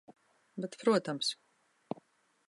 Bet protams.